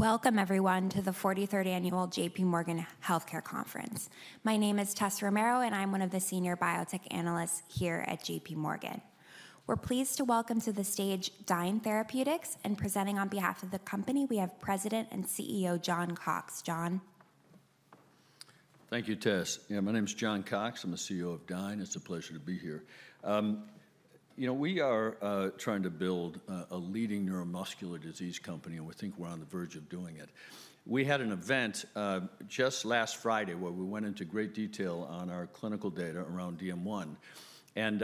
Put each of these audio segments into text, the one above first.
Welcome, everyone, to the 43rd Annual J.P. Morgan Healthcare Conference. My name is Tessa Romero, and I'm one of the Senior Biotech Analysts here at J.P. Morgan. We're pleased to welcome to the stage Dyne Therapeutics, and presenting on behalf of the company, we have President and CEO John Cox. John. Thank you, Tess. Yeah, my name is John Cox. I'm the CEO of Dyne. It's a pleasure to be here. You know, we are trying to build a leading neuromuscular disease company, and we think we're on the verge of doing it. We had an event just last Friday where we went into great detail on our clinical data around DM1. And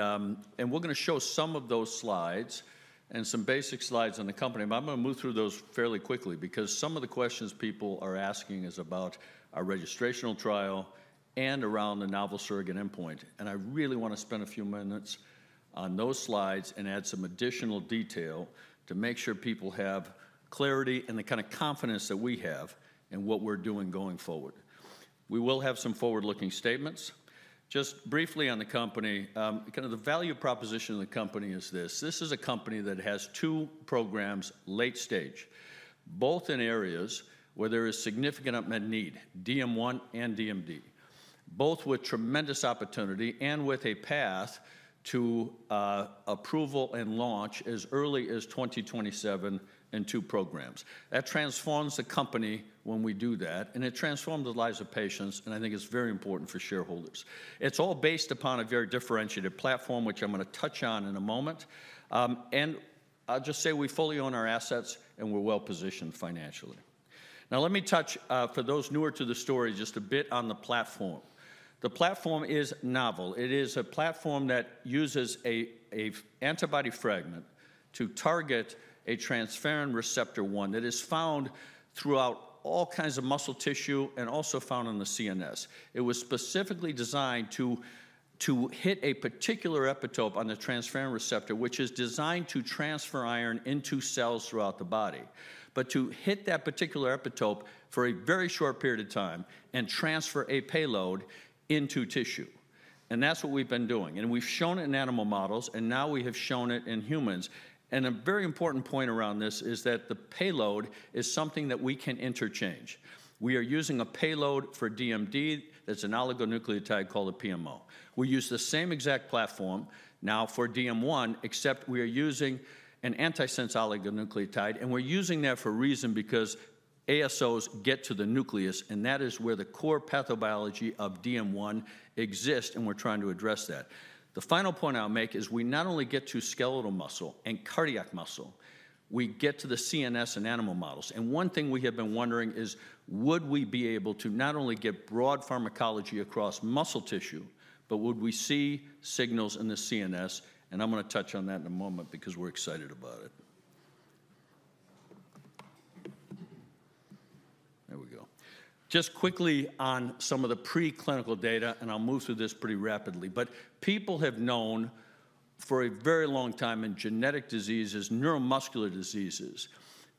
we're going to show some of those slides and some basic slides on the company. But I'm going to move through those fairly quickly because some of the questions people are asking is about our registrational trial and around the novel surrogate endpoint. And I really want to spend a few minutes on those slides and add some additional detail to make sure people have clarity and the kind of confidence that we have in what we're doing going forward. We will have some forward-looking statements. Just briefly on the company, kind of the value proposition of the company is this: this is a company that has two programs late stage, both in areas where there is significant unmet need, DM1 and DMD, both with tremendous opportunity and with a path to approval and launch as early as 2027 in two programs. That transforms the company when we do that, and it transforms the lives of patients, and I think it's very important for shareholders. It's all based upon a very differentiated platform, which I'm going to touch on in a moment, and I'll just say we fully own our assets, and we're well positioned financially. Now, let me touch, for those newer to the story, just a bit on the platform. The platform is novel. It is a platform that uses an antibody fragment to target a transferrin receptor 1 that is found throughout all kinds of muscle tissue and also found on the CNS. It was specifically designed to hit a particular epitope on the transferrin receptor, which is designed to transfer iron into cells throughout the body, but to hit that particular epitope for a very short period of time and transfer a payload into tissue. And that's what we've been doing. And we've shown it in animal models, and now we have shown it in humans. And a very important point around this is that the payload is something that we can interchange. We are using a payload for DMD that's an oligonucleotide called a PMO. We use the same exact platform now for DM1, except we are using an antisense oligonucleotide, and we're using that for a reason because ASOs get to the nucleus, and that is where the core pathobiology of DM1 exists, and we're trying to address that. The final point I'll make is we not only get to skeletal muscle and cardiac muscle, we get to the CNS in animal models. And one thing we have been wondering is, would we be able to not only get broad pharmacology across muscle tissue, but would we see signals in the CNS? And I'm going to touch on that in a moment because we're excited about it. There we go. Just quickly on some of the preclinical data, and I'll move through this pretty rapidly. But people have known for a very long time in genetic diseases, neuromuscular diseases.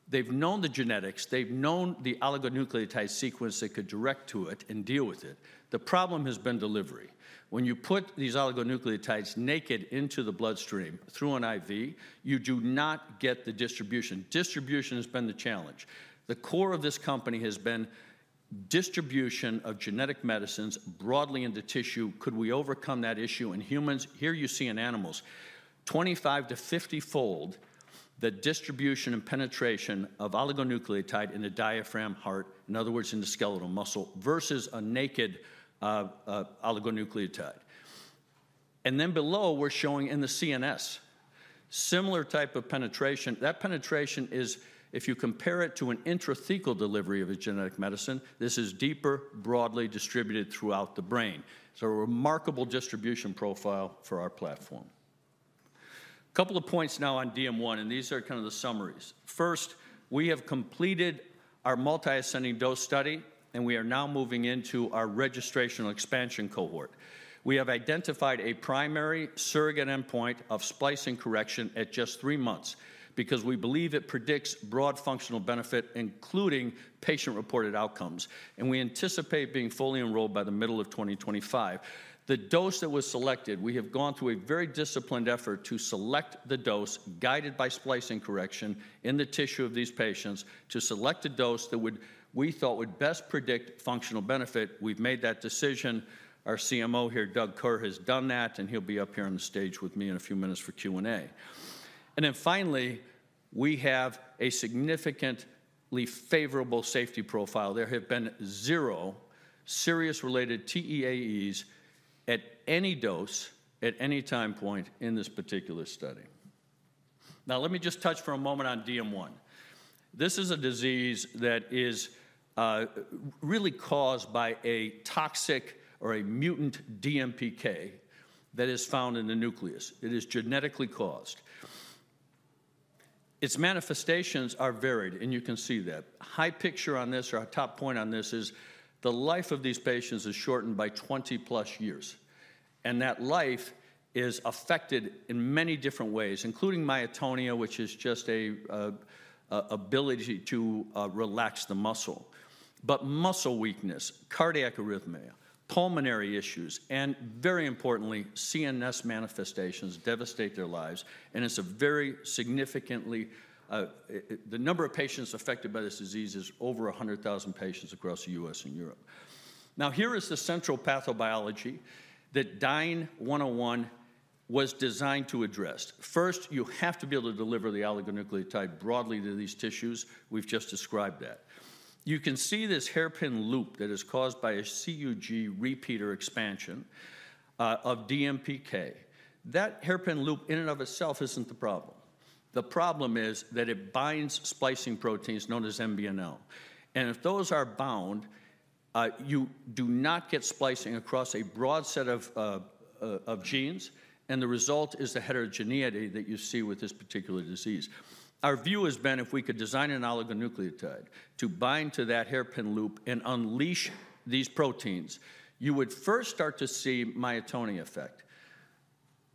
They've known the genetics. They've known the oligonucleotide sequence that could direct to it and deal with it. The problem has been delivery. When you put these oligonucleotides naked into the bloodstream through an IV, you do not get the distribution. Distribution has been the challenge. The core of this company has been distribution of genetic medicines broadly into tissue. Could we overcome that issue in humans? Here you see in animals, 25 to 50-fold the distribution and penetration of oligonucleotide in the diaphragm, heart, in other words, in the skeletal muscle versus a naked oligonucleotide, and then below, we're showing in the CNS, similar type of penetration. That penetration is, if you compare it to an intrathecal delivery of a genetic medicine, this is deeper, broadly distributed throughout the brain. It's a remarkable distribution profile for our platform. A couple of points now on DM1, and these are kind of the summaries. First, we have completed our multiple ascending dose study, and we are now moving into our registrational expansion cohort. We have identified a primary surrogate endpoint of splicing correction at just three months because we believe it predicts broad functional benefit, including patient-reported outcomes, and we anticipate being fully enrolled by the middle of 2025. The dose that was selected, we have gone through a very disciplined effort to select the dose guided by splicing correction in the tissue of these patients to select a dose that we thought would best predict functional benefit. We've made that decision. Our CMO here, Doug Kerr, has done that, and he'll be up here on the stage with me in a few minutes for Q&A. And then finally, we have a significantly favorable safety profile. There have been zero serious related TEAEs at any dose at any time point in this particular study. Now, let me just touch for a moment on DM1. This is a disease that is really caused by a toxic or a mutant DMPK that is found in the nucleus. It is genetically caused. Its manifestations are varied, and you can see that. The highlight on this, or our top point on this, is the life of these patients is shortened by 20-plus years. That life is affected in many different ways, including myotonia, which is just an inability to relax the muscle. But muscle weakness, cardiac arrhythmia, pulmonary issues, and very importantly, CNS manifestations devastate their lives. It's very significant, the number of patients affected by this disease is over 100,000 patients across the U.S. and Europe. Now, here is the central pathobiology that DYNE-101 was designed to address. First, you have to be able to deliver the oligonucleotide broadly to these tissues. We've just described that. You can see this hairpin loop that is caused by a CUG repeat expansion of DMPK. That hairpin loop in and of itself isn't the problem. The problem is that it binds splicing proteins known as MBNL, and if those are bound, you do not get splicing across a broad set of genes, and the result is the heterogeneity that you see with this particular disease. Our view has been if we could design an oligonucleotide to bind to that hairpin loop and unleash these proteins, you would first start to see myotonic effect.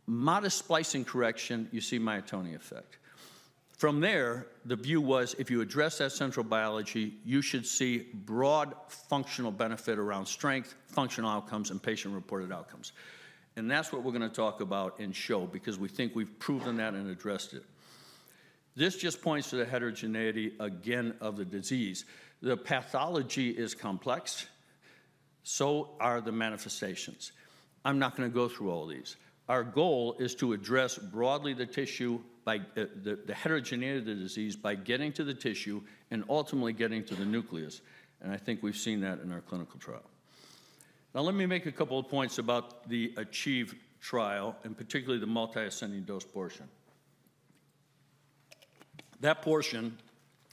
Modest splicing correction, you see myotonic effect. From there, the view was if you address that central biology, you should see broad functional benefit around strength, functional outcomes, and patient-reported outcomes, and that's what we're going to talk about and show because we think we've proven that and addressed it. This just points to the heterogeneity, again, of the disease. The pathology is complex, so are the manifestations. I'm not going to go through all these. Our goal is to address broadly the tissue, the heterogeneity of the disease by getting to the tissue and ultimately getting to the nucleus. And I think we've seen that in our clinical trial. Now, let me make a couple of points about the ACHIEVE trial and particularly the multi-ascending dose portion. That portion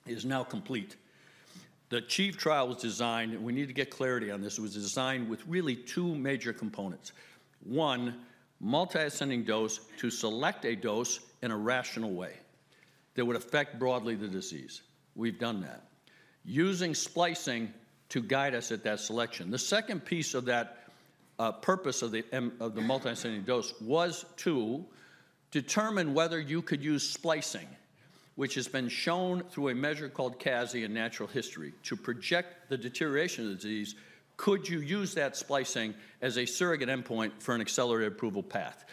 is now complete. The ACHIEVE trial was designed, and we need to get clarity on this. It was designed with really two major components. One, multi-ascending dose to select a dose in a rational way that would affect broadly the disease. We've done that using splicing to guide us at that selection. The second piece of that purpose of the multi-ascending dose was to determine whether you could use splicing, which has been shown through a measure called CASI in natural history, to project the deterioration of the disease. Could you use that splicing as a surrogate endpoint for an accelerated approval path?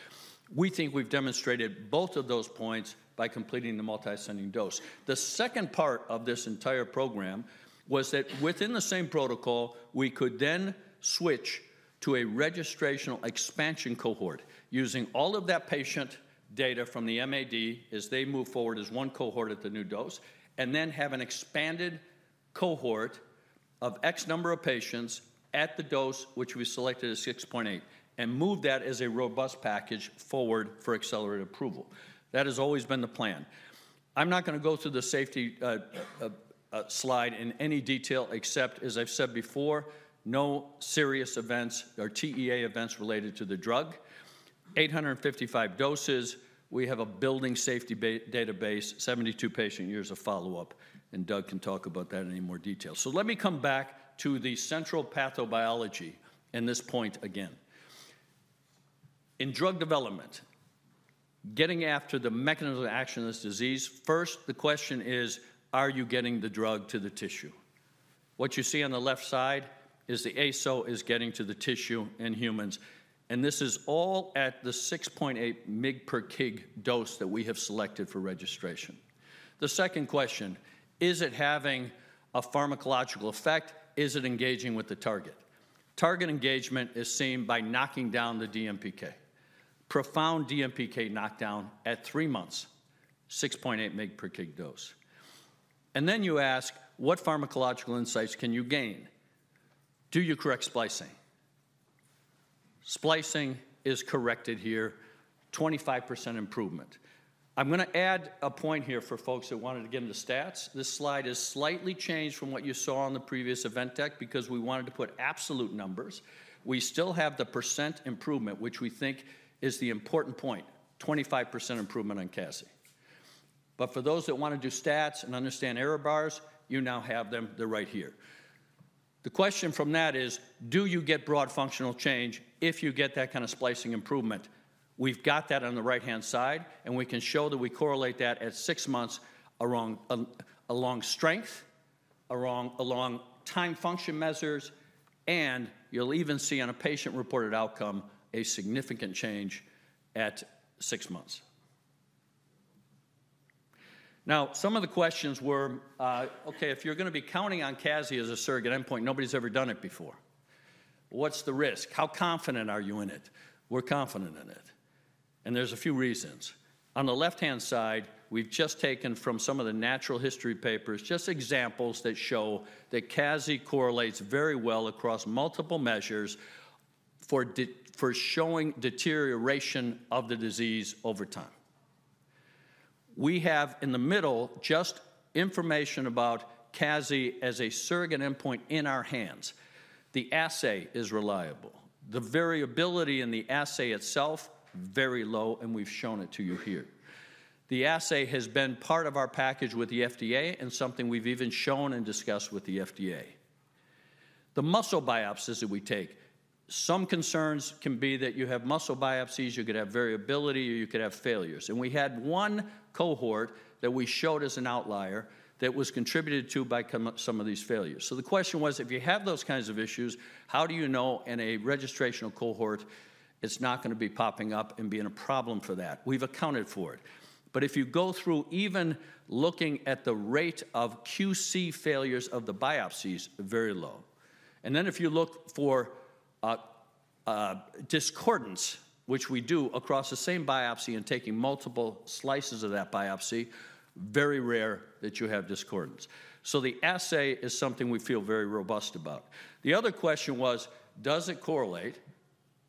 We think we've demonstrated both of those points by completing the multi-ascending dose. The second part of this entire program was that within the same protocol, we could then switch to a registrational expansion cohort using all of that patient data from the MAD as they move forward as one cohort at the new dose, and then have an expanded cohort of X number of patients at the dose, which we selected as 6.8, and move that as a robust package forward for accelerated approval. That has always been the plan. I'm not going to go through the safety slide in any detail, except, as I've said before, no serious events or TEAE events related to the drug. 855 doses. We have a building safety database, 72 patient years of follow-up, and Doug can talk about that in any more detail. Let me come back to the central pathobiology in this point again. In drug development, getting after the mechanism of action of this disease, first, the question is, are you getting the drug to the tissue? What you see on the left side is the ASO is getting to the tissue in humans. And this is all at the 6.8 mg per kg dose that we have selected for registration. The second question, is it having a pharmacological effect? Is it engaging with the target? Target engagement is seen by knocking down the DMPK. Profound DMPK knockdown at three months, 6.8 mg per kg dose and then you ask, what pharmacological insights can you gain? Do you correct splicing? Splicing is corrected here, 25% improvement. I'm going to add a point here for folks that wanted to get into stats. This slide is slightly changed from what you saw on the previous event deck because we wanted to put absolute numbers. We still have the % improvement, which we think is the important point, 25% improvement on CASI, but for those that want to do stats and understand error bars, you now have them. They're right here. The question from that is, do you get broad functional change if you get that kind of splicing improvement? We've got that on the right-hand side, and we can show that we correlate that at six months along strength, along time function measures, and you'll even see on a patient-reported outcome a significant change at six months. Now, some of the questions were, okay, if you're going to be counting on CASI as a surrogate endpoint, nobody's ever done it before. What's the risk? How confident are you in it? We're confident in it, and there's a few reasons. On the left-hand side, we've just taken from some of the natural history papers just examples that show that CASI correlates very well across multiple measures for showing deterioration of the disease over time. We have in the middle just information about CASI as a surrogate endpoint in our hands. The assay is reliable. The variability in the assay itself, very low, and we've shown it to you here. The assay has been part of our package with the FDA and something we've even shown and discussed with the FDA. The muscle biopsies that we take, some concerns can be that you have muscle biopsies, you could have variability, or you could have failures. And we had one cohort that we showed as an outlier that was contributed to by some of these failures. So the question was, if you have those kinds of issues, how do you know in a registrational cohort it's not going to be popping up and being a problem for that? We've accounted for it. But if you go through even looking at the rate of QC failures of the biopsies, very low. And then if you look for discordance, which we do across the same biopsy and taking multiple slices of that biopsy, very rare that you have discordance. So the assay is something we feel very robust about. The other question was, does it correlate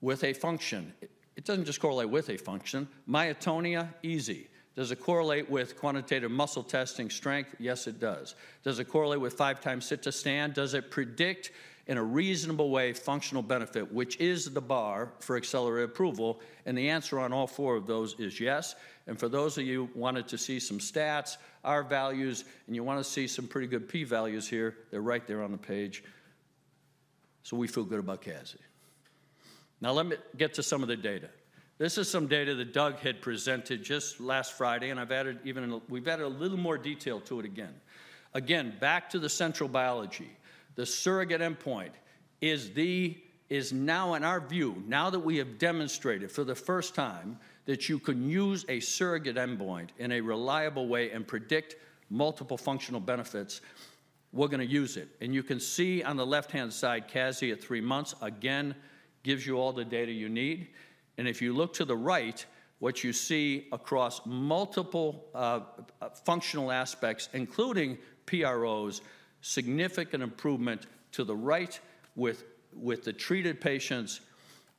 with a function? It doesn't just correlate with a function. Myotonia, easy. Does it correlate with quantitative muscle testing strength? Yes, it does. Does it correlate with five-time sit-to-stand? Does it predict in a reasonable way functional benefit, which is the bar for accelerated approval? And the answer on all four of those is yes. And for those of you who wanted to see some stats, our values, and you want to see some pretty good P-values here, they're right there on the page. So we feel good about CASI. Now, let me get to some of the data. This is some data that Doug had presented just last Friday, and I've added even we've added a little more detail to it again. Again, back to the central biology. The surrogate endpoint is now in our view, now that we have demonstrated for the first time that you can use a surrogate endpoint in a reliable way and predict multiple functional benefits, we're going to use it. And you can see on the left-hand side, CASI at three months again gives you all the data you need. And if you look to the right, what you see across multiple functional aspects, including PROs, significant improvement to the right with the treated patients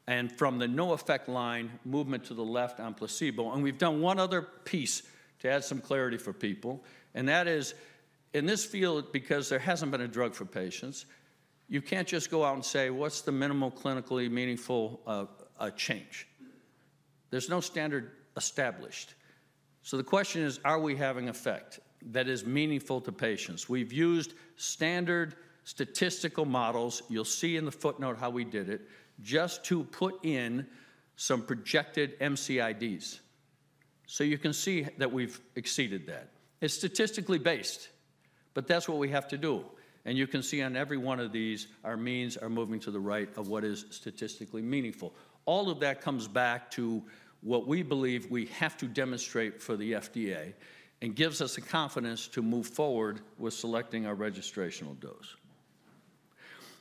and from the no effect line, movement to the left on placebo. And we've done one other piece to add some clarity for people. And that is, in this field, because there hasn't been a drug for patients, you can't just go out and say, what's the minimal clinically meaningful change? There's no standard established. So the question is, are we having effect that is meaningful to patients? We've used standard statistical models. You'll see in the footnote how we did it, just to put in some projected MCIDs. So you can see that we've exceeded that. It's statistically based, but that's what we have to do. And you can see on every one of these, our means are moving to the right of what is statistically meaningful. All of that comes back to what we believe we have to demonstrate for the FDA and gives us the confidence to move forward with selecting our registrational dose.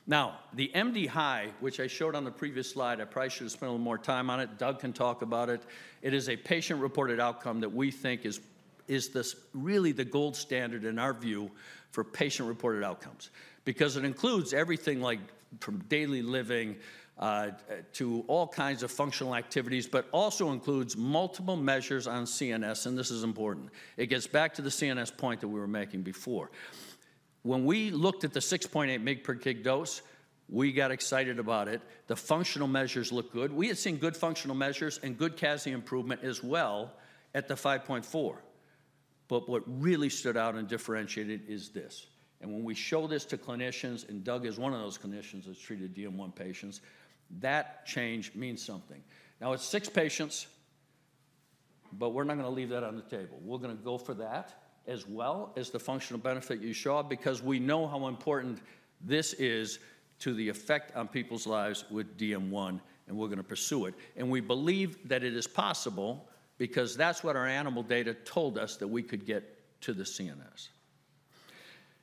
Now, the MDHI, which I showed on the previous slide, I probably should have spent a little more time on it. Doug can talk about it. It is a patient-reported outcome that we think is really the gold standard in our view for patient-reported outcomes because it includes everything like from daily living to all kinds of functional activities, but also includes multiple measures on CNS, and this is important. It gets back to the CNS point that we were making before. When we looked at the 6.8 mg per kg dose, we got excited about it. The functional measures look good. We had seen good functional measures and good CASI improvement as well at the 5.4, but what really stood out and differentiated is this, and when we show this to clinicians, and Doug is one of those clinicians that's treated DM1 patients, that change means something. Now, it is six patients, but we are not going to leave that on the table. We're going to go for that as well as the functional benefit you show up because we know how important this is to the effect on people's lives with DM1, and we're going to pursue it. And we believe that it is possible because that's what our animal data told us that we could get to the CNS.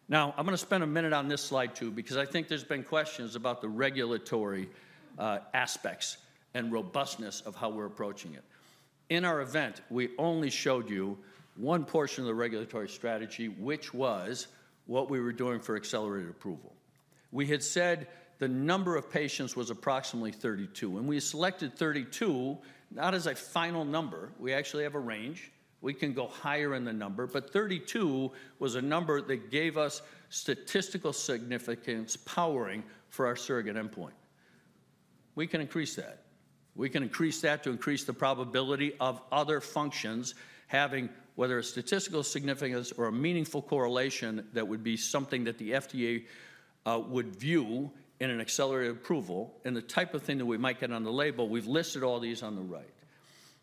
Now, I'm going to spend a minute on this slide too because I think there's been questions about the regulatory aspects and robustness of how we're approaching it. In our event, we only showed you one portion of the regulatory strategy, which was what we were doing for accelerated approval. We had said the number of patients was approximately 32. And we selected 32, not as a final number. We actually have a range. We can go higher in the number, but 32 was a number that gave us statistical significance powering for our surrogate endpoint. We can increase that. We can increase that to increase the probability of other functions having whether a statistical significance or a meaningful correlation that would be something that the FDA would view in an accelerated approval and the type of thing that we might get on the label. We've listed all these on the right.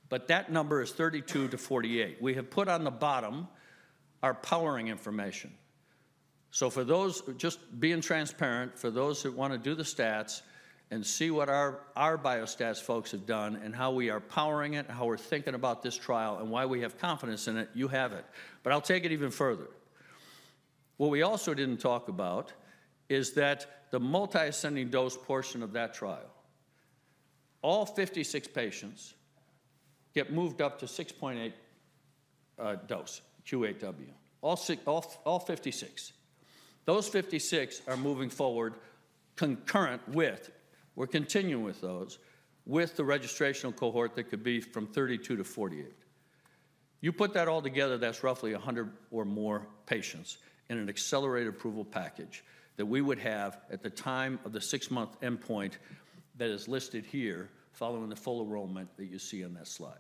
But that number is 32 to 48. We have put on the bottom our powering information. So for those, just being transparent, for those that want to do the stats and see what our biostats folks have done and how we are powering it, how we're thinking about this trial, and why we have confidence in it, you have it. But I'll take it even further. What we also didn't talk about is that the multi-ascending dose portion of that trial. All 56 patients get moved up to 6.8 dose, Q8W. All 56. Those 56 are moving forward concurrent with, we're continuing with those, with the registrational cohort that could be from 32 to 48. You put that all together, that's roughly 100 or more patients in an accelerated approval package that we would have at the time of the six-month endpoint that is listed here following the full enrollment that you see on that slide.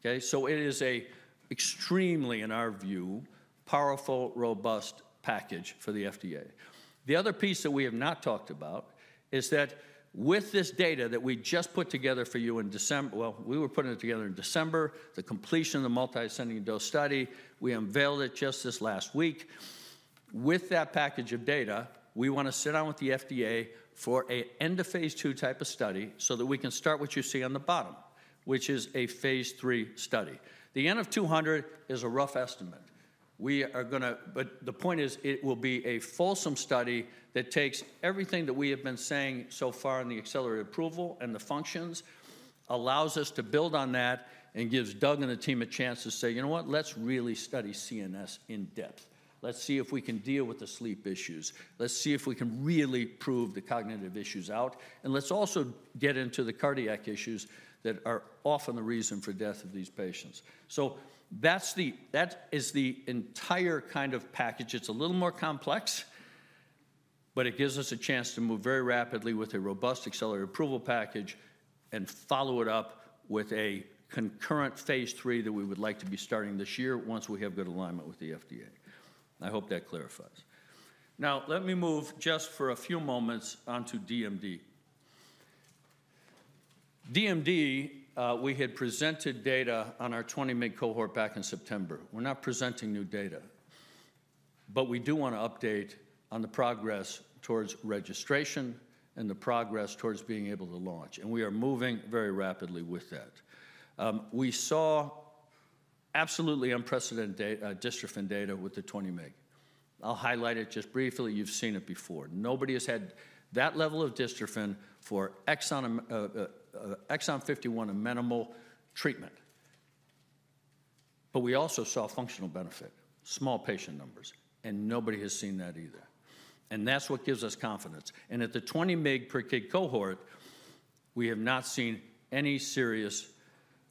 Okay? So it is an extremely, in our view, powerful, robust package for the FDA. The other piece that we have not talked about is that with this data that we just put together for you in December, well, we were putting it together in December, the completion of the multi-ascending dose study. We unveiled it just this last week. With that package of data, we want to sit down with the FDA for an end-of-phase II type of study so that we can start what you see on the bottom, which is a phase III study. The N of 200 is a rough estimate. We are going to, but the point is it will be a fulsome study that takes everything that we have been saying so far in the accelerated approval and the functions, allows us to build on that, and gives Doug and the team a chance to say, you know what, let's really study CNS in depth. Let's see if we can deal with the sleep issues. Let's see if we can really prove the cognitive issues out. And let's also get into the cardiac issues that are often the reason for death of these patients. So that is the entire kind of package. It's a little more complex, but it gives us a chance to move very rapidly with a robust accelerated approval package and follow it up with a concurrent phase III that we would like to be starting this year once we have good alignment with the FDA. I hope that clarifies. Now, let me move just for a few moments onto DMD. DMD, we had presented data on our 20-mg cohort back in September. We're not presenting new data, but we do want to update on the progress towards registration and the progress towards being able to launch. We are moving very rapidly with that. We saw absolutely unprecedented dystrophin data with the 20-mg. I'll highlight it just briefly. You've seen it before. Nobody has had that level of dystrophin for Exon 51-amenable treatment. But we also saw functional benefit, small patient numbers, and nobody has seen that either. And that's what gives us confidence. And at the 20 mg per kg cohort, we have not seen any serious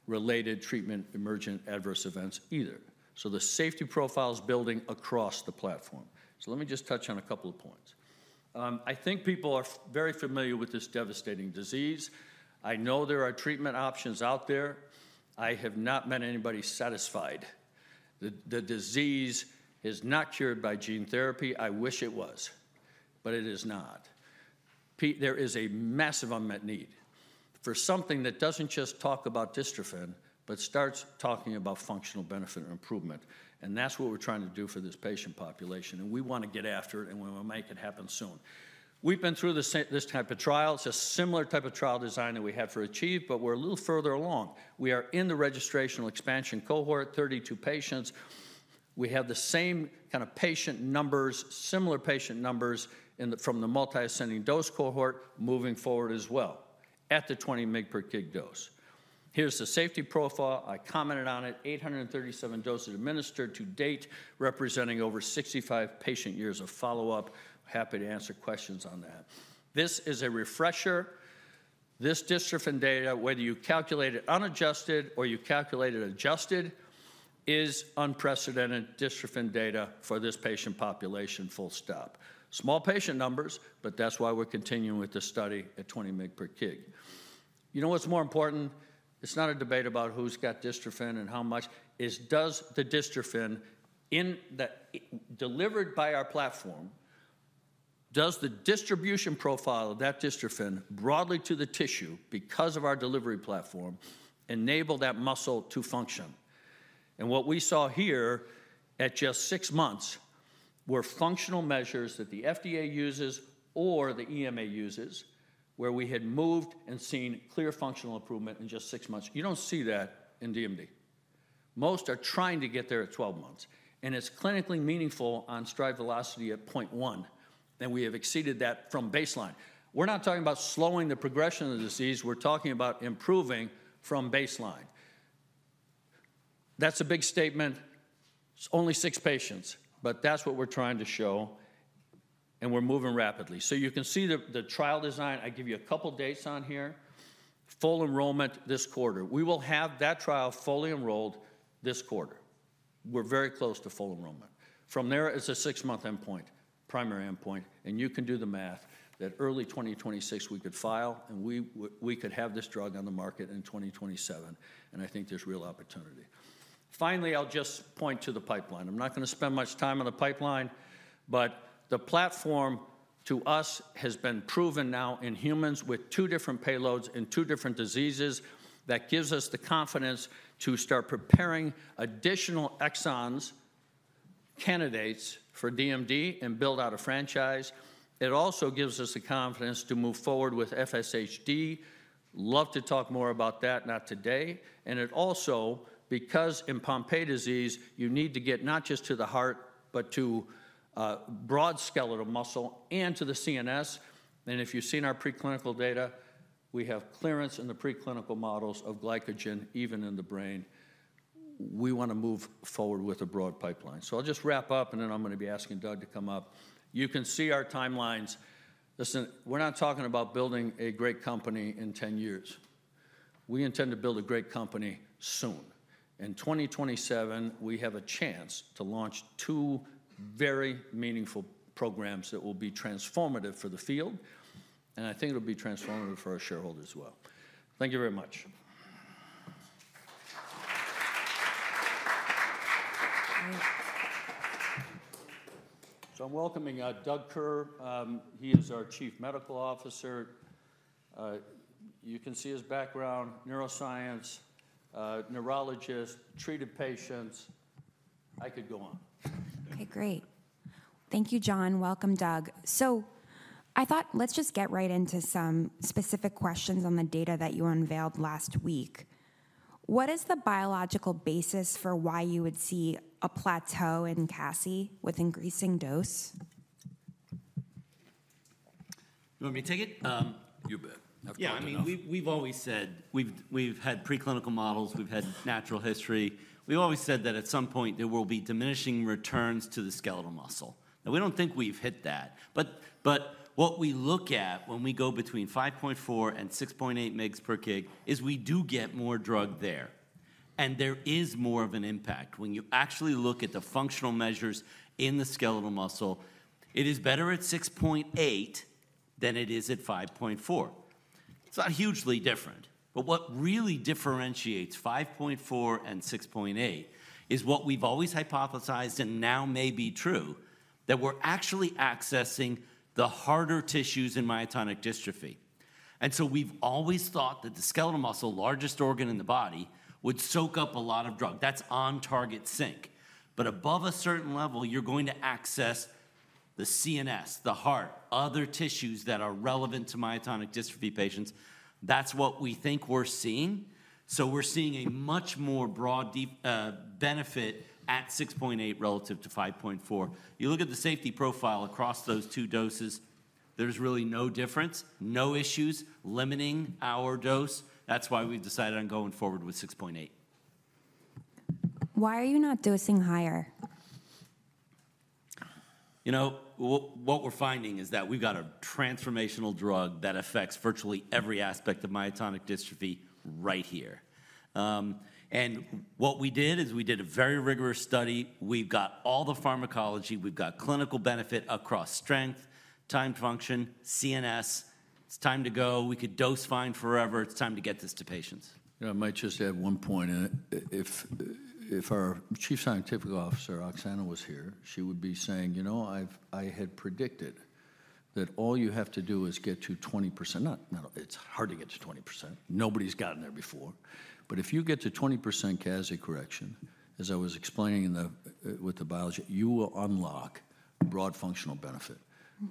related treatment-emergent adverse events either. So the safety profile is building across the platform. So let me just touch on a couple of points. I think people are very familiar with this devastating disease. I know there are treatment options out there. I have not met anybody satisfied. The disease is not cured by gene therapy. I wish it was, but it is not. There is a massive unmet need for something that doesn't just talk about dystrophin, but starts talking about functional benefit and improvement. And that's what we're trying to do for this patient population. And we want to get after it, and we will make it happen soon. We've been through this type of trial. It's a similar type of trial design that we have for ACHIEVE, but we're a little further along. We are in the registrational expansion cohort, 32 patients. We have the same kind of patient numbers, similar patient numbers from the multiple-ascending dose cohort moving forward as well at the 20-mg per kg dose. Here's the safety profile. I commented on it. 837 doses administered to date, representing over 65 patient years of follow-up. Happy to answer questions on that. This is a refresher. This dystrophin data, whether you calculate it unadjusted or you calculate it adjusted, is unprecedented dystrophin data for this patient population. Full stop. Small patient numbers, but that's why we're continuing with the study at 20-mg per kg. You know what's more important? It's not a debate about who's got dystrophin and how much. Does the dystrophin delivered by our platform, does the distribution profile of that dystrophin broadly to the tissue because of our delivery platform enable that muscle to function? And what we saw here at just six months were functional measures that the FDA uses or the EMA uses where we had moved and seen clear functional improvement in just six months. You don't see that in DMD. Most are trying to get there at 12 months. And it's clinically meaningful on stride velocity at 0.1. And we have exceeded that from baseline. We're not talking about slowing the progression of the disease. We're talking about improving from baseline. That's a big statement. It's only six patients, but that's what we're trying to show, and we're moving rapidly. So you can see the trial design. I give you a couple of dates on here. Full enrollment this quarter. We will have that trial fully enrolled this quarter. We're very close to full enrollment. From there, it's a six-month endpoint, primary endpoint, and you can do the math that early 2026, we could file and we could have this drug on the market in 2027, and I think there's real opportunity. Finally, I'll just point to the pipeline. I'm not going to spend much time on the pipeline, but the platform to us has been proven now in humans with two different payloads and two different diseases that gives us the confidence to start preparing additional exon candidates for DMD and build out a franchise. It also gives us the confidence to move forward with FSHD. Love to talk more about that, not today, and it also, because in Pompe disease, you need to get not just to the heart, but to broad skeletal muscle and to the CNS. If you've seen our preclinical data, we have clearance in the preclinical models of glycogen even in the brain. We want to move forward with a broad pipeline. I'll just wrap up, and then I'm going to be asking Doug to come up. You can see our timelines. We're not talking about building a great company in 10 years. We intend to build a great company soon. In 2027, we have a chance to launch two very meaningful programs that will be transformative for the field. I think it'll be transformative for our shareholders as well. Thank you very much. I'm welcoming Doug Kerr. He is our Chief Medical Officer. You can see his background, neuroscience, neurologist, treated patients. I could go on. Okay, great. Thank you, John. Welcome, Doug. So I thought let's just get right into some specific questions on the data that you unveiled last week. What is the biological basis for why you would see a plateau in CASI with increasing dose? You want me to take it? Yeah, I mean, we've always said we've had preclinical models. We've had natural history. We've always said that at some point there will be diminishing returns to the skeletal muscle. Now, we don't think we've hit that. But what we look at when we go between 5.4 and 6.8 mg per kg is we do get more drug there. And there is more of an impact when you actually look at the functional measures in the skeletal muscle. It is better at 6.8 than it is at 5.4. It's not hugely different. But what really differentiates 5.4 and 6.8 is what we've always hypothesized and now may be true, that we're actually accessing the harder tissues in myotonic dystrophy. And so we've always thought that the skeletal muscle, largest organ in the body, would soak up a lot of drug. That's on target sink. But above a certain level, you're going to access the CNS, the heart, other tissues that are relevant to myotonic dystrophy patients. That's what we think we're seeing. So we're seeing a much more broad benefit at 6.8 relative to 5.4. You look at the safety profile across those two doses, there's really no difference, no issues limiting our dose. That's why we've decided on going forward with 6.8. Why are you not dosing higher? You know, what we're finding is that we've got a transformational drug that affects virtually every aspect of myotonic dystrophy right here. What we did is we did a very rigorous study. We've got all the pharmacology. We've got clinical benefit across strength, time, function, CNS. It's time to go. We could dose fine forever. It's time to get this to patients. I might just add one point. If our Chief Scientific Officer, Oksana, was here, she would be saying, you know, I had predicted that all you have to do is get to 20%. It's hard to get to 20%. Nobody's gotten there before. But if you get to 20% CASI correction, as I was explaining with the biology, you will unlock broad functional benefit.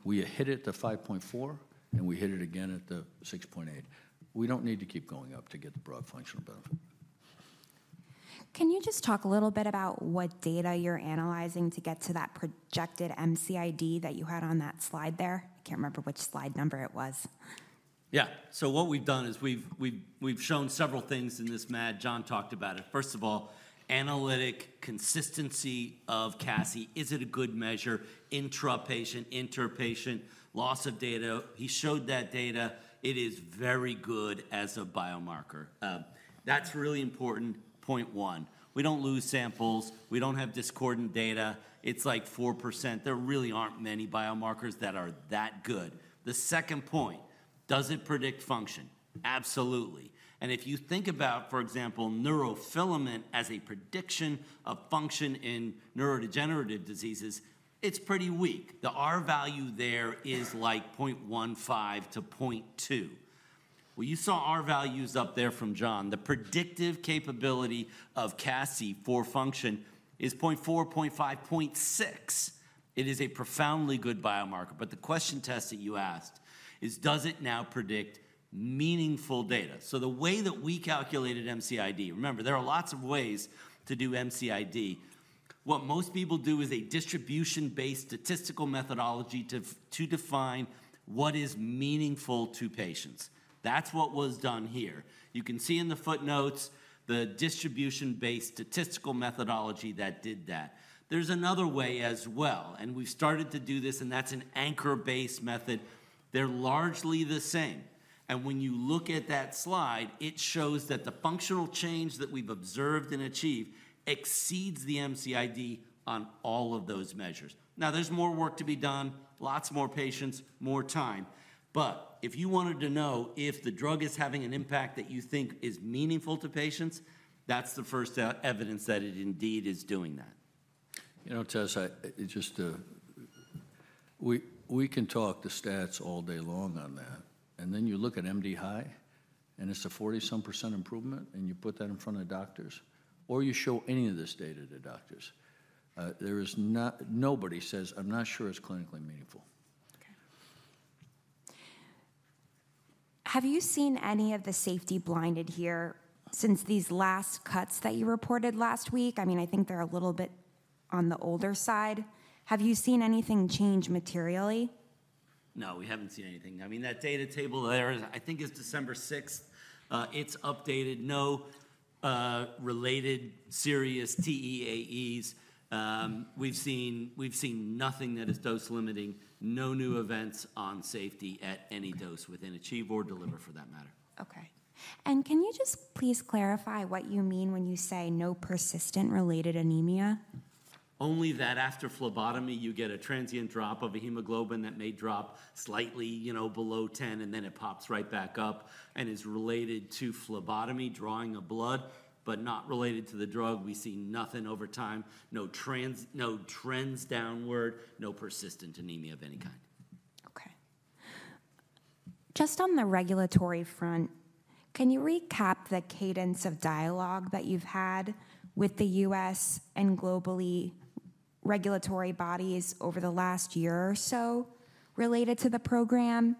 We hit it at the 5.4, and we hit it again at the 6.8. We don't need to keep going up to get the broad functional benefit. Can you just talk a little bit about what data you're analyzing to get to that projected MCID that you had on that slide there? I can't remember which slide number it was. Yeah. So what we've done is we've shown several things in this mat. John talked about it. First of all, analytic consistency of CASI. Is it a good measure? Intra-patient, inter-patient, loss of data. He showed that data. It is very good as a biomarker. That's really important. Point one, we don't lose samples. We don't have discordant data. It's like 4%. There really aren't many biomarkers that are that good. The second point, does it predict function? Absolutely. And if you think about, for example, neurofilament as a prediction of function in neurodegenerative diseases, it's pretty weak. The R-value there is like 0.15-0.2. Well, you saw R-values up there from John. The predictive capability of CASI for function is 0.4, 0.5, 0.6. It is a profoundly good biomarker. But the question that you asked is, does it now predict meaningful data? So the way that we calculated MCID, remember, there are lots of ways to do MCID. What most people do is a distribution-based statistical methodology to define what is meaningful to patients. That's what was done here. You can see in the footnotes the distribution-based statistical methodology that did that. There's another way as well. And we've started to do this, and that's an anchor-based method. They're largely the same. And when you look at that slide, it shows that the functional change that we've observed and achieved exceeds the MCID on all of those measures. Now, there's more work to be done, lots more patients, more time. But if you wanted to know if the drug is having an impact that you think is meaningful to patients, that's the first evidence that it indeed is doing that. You know, Tess, just we can talk the stats all day long on that. And then you look at MDHI, and it's a 40-some% improvement, and you put that in front of doctors, or you show any of this data to doctors, nobody says, I'm not sure it's clinically meaningful. Okay. Have you seen any of the safety blinded here since these last cuts that you reported last week? I mean, I think they're a little bit on the older side. Have you seen anything change materially? No, we haven't seen anything. I mean, that data table there, I think it's December 6th. It's updated. No related serious TEAEs. We've seen nothing that is dose limiting. No new events on safety at any dose within ACHIEVE or DELIVER for that matter. Okay. And can you just please clarify what you mean when you say no persistent related anemia? Only that after phlebotomy, you get a transient drop of a hemoglobin that may drop slightly below 10, and then it pops right back up and is related to phlebotomy, drawing of blood, but not related to the drug. We see nothing over time. No trends downward, no persistent anemia of any kind. Okay. Just on the regulatory front, can you recap the cadence of dialogue that you've had with the U.S. and globally regulatory bodies over the last year or so related to the program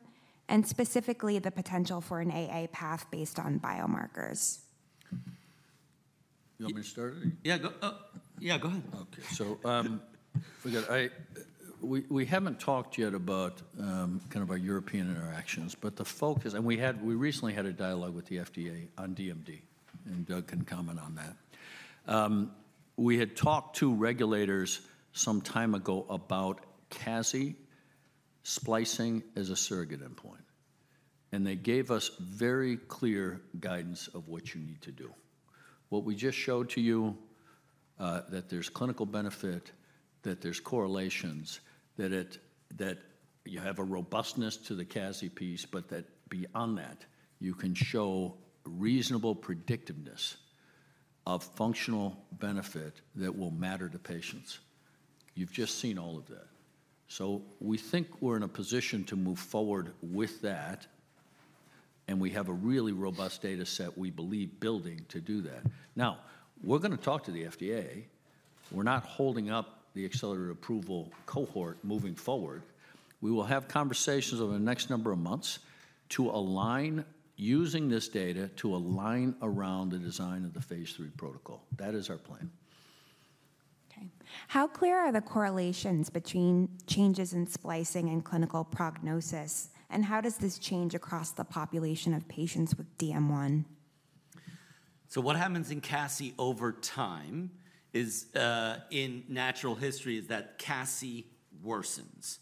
and specifically the potential for an AA path based on biomarkers? You want me to start it? Yeah, go ahead. Okay. So we haven't talked yet about kind of our European interactions, but the focus, and we recently had a dialogue with the FDA on DMD, and Doug can comment on that. We had talked to regulators some time ago about CASI splicing as a surrogate endpoint. And they gave us very clear guidance of what you need to do. What we just showed to you, that there's clinical benefit, that there's correlations, that you have a robustness to the CASI piece, but that beyond that, you can show reasonable predictiveness of functional benefit that will matter to patients. You've just seen all of that. So we think we're in a position to move forward with that, and we have a really robust data set we believe building to do that. Now, we're going to talk to the FDA. We're not holding up the accelerated approval cohort moving forward. We will have conversations over the next number of months to align using this data to align around the design of the phase III protocol. That is our plan. Okay. How clear are the correlations between changes in splicing and clinical prognosis, and how does this change across the population of patients with DM1? What happens in CASI over time in natural history is that CASI worsens.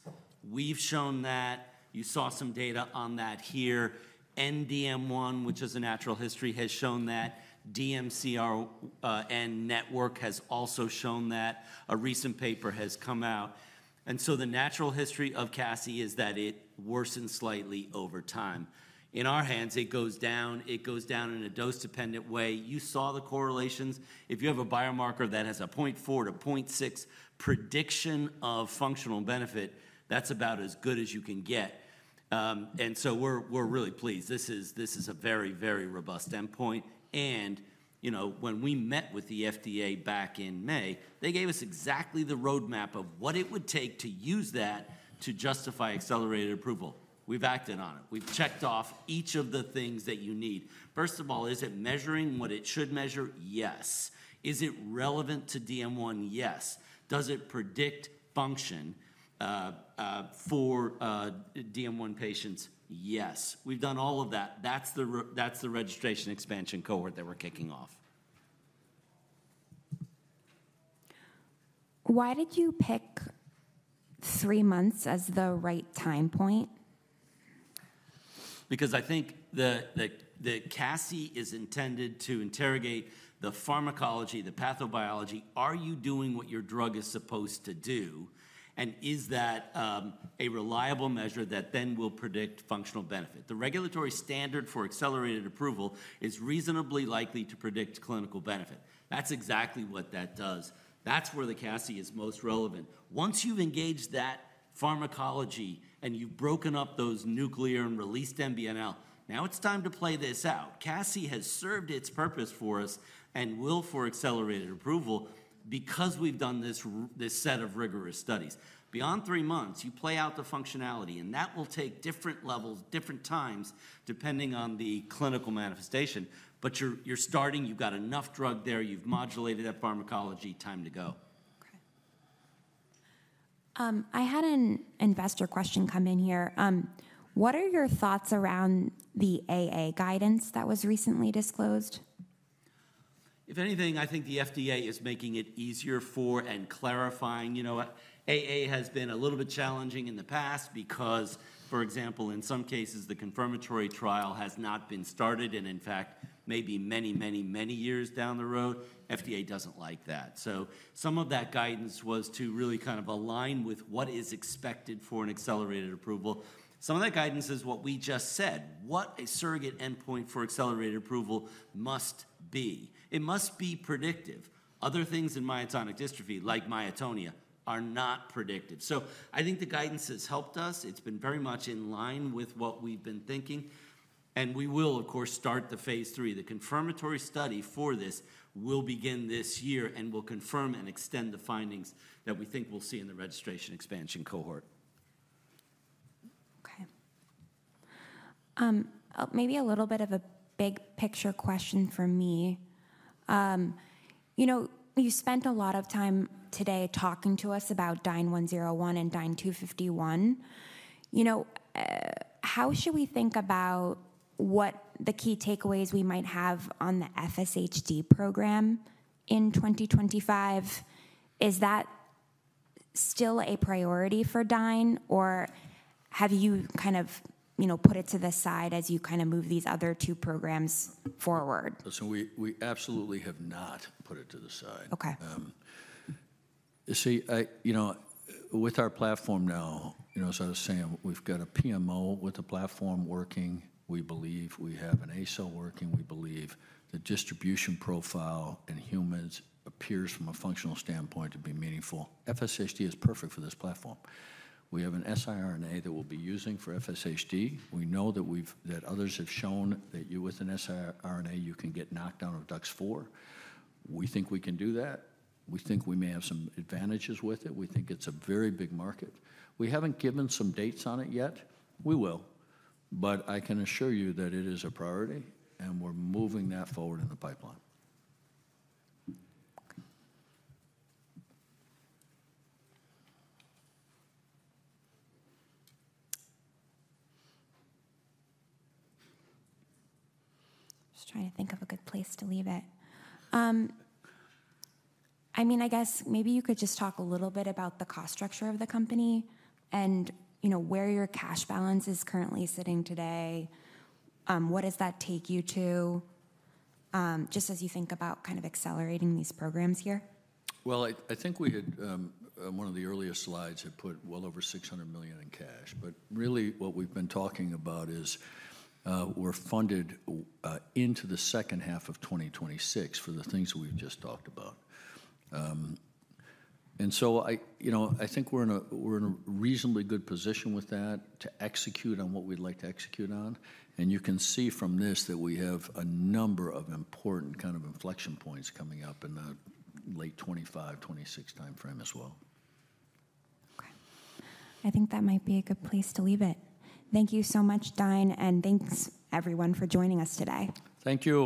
We've shown that. You saw some data on that here. And DM1, which is a natural history, has shown that. DMCRN network has also shown that. A recent paper has come out, and so the natural history of CASI is that it worsens slightly over time. In our hands, it goes down. It goes down in a dose-dependent way. You saw the correlations. If you have a biomarker that has a 0.4-0.6 prediction of functional benefit, that's about as good as you can get. And so we're really pleased. This is a very, very robust endpoint. And when we met with the FDA back in May, they gave us exactly the roadmap of what it would take to use that to justify accelerated approval. We've acted on it. We've checked off each of the things that you need. First of all, is it measuring what it should measure? Yes. Is it relevant to DM1? Yes. Does it predict function for DM1 patients? Yes. We've done all of that. That's the registration expansion cohort that we're kicking off. Why did you pick three months as the right time point? Because I think the CASI is intended to interrogate the pharmacology, the pathobiology. Are you doing what your drug is supposed to do? Is that a reliable measure that then will predict functional benefit? The regulatory standard for accelerated approval is reasonably likely to predict clinical benefit. That's exactly what that does. That's where the CASI is most relevant. Once you've engaged that pharmacology and you've broken up those nuclear and released MBNL, now it's time to play this out. CASI has served its purpose for us and will for accelerated approval because we've done this set of rigorous studies. Beyond three months, you play out the functionality, and that will take different levels, different times depending on the clinical manifestation. But you're starting, you've got enough drug there, you've modulated that pharmacology, time to go. Okay. I had an investor question come in here. What are your thoughts around the AA guidance that was recently disclosed? If anything, I think the FDA is making it easier for and clarifying. AA has been a little bit challenging in the past because, for example, in some cases, the confirmatory trial has not been started and, in fact, maybe many, many, many years down the road. FDA doesn't like that. So some of that guidance was to really kind of align with what is expected for an accelerated approval. Some of that guidance is what we just said. What a surrogate endpoint for accelerated approval must be. It must be predictive. Other things in myotonic dystrophy, like myotonia, are not predictive. So I think the guidance has helped us. It's been very much in line with what we've been thinking. And we will, of course, start the phase III. The confirmatory study for this will begin this year and will confirm and extend the findings that we think we'll see in the registration expansion cohort. Okay. Maybe a little bit of a big picture question for me. You spent a lot of time today talking to us about DYNE-101 and DYNE-251. How should we think about what the key takeaways we might have on the FSHD program in 2025? Is that still a priority for Dyne, or have you kind of put it to the side as you kind of move these other two programs forward? Listen, we absolutely have not put it to the side. Okay. See, with our platform now, as I was saying, we've got a PMO with a platform working. We believe we have an ASO working. We believe the distribution profile in humans appears from a functional standpoint to be meaningful. FSHD is perfect for this platform. We have an siRNA that we'll be using for FSHD. We know that others have shown that with an siRNA, you can get knockdown of DUX4. We think we can do that. We think we may have some advantages with it. We think it's a very big market. We haven't given some dates on it yet. We will. But I can assure you that it is a priority, and we're moving that forward in the pipeline. I'm just trying to think of a good place to leave it. I mean, I guess maybe you could just talk a little bit about the cost structure of the company and where your cash balance is currently sitting today. What does that take you to just as you think about kind of accelerating these programs here? Well, I think one of the earliest slides had put well over $600 million in cash. But really, what we've been talking about is we're funded into the second half of 2026 for the things we've just talked about. And so I think we're in a reasonably good position with that to execute on what we'd like to execute on. And you can see from this that we have a number of important kind of inflection points coming up in the late 2025, 2026 timeframe as well. Okay. I think that might be a good place to leave it. Thank you so much, Dyne, and thanks everyone for joining us today. Thank you.